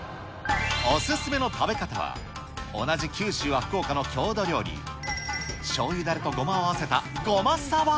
お勧めの食べ方は、同じ九州は福岡の郷土料理、しょうゆだれとごまを合わせたごまさば。